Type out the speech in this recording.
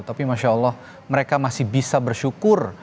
tapi masya allah mereka masih bisa bersyukur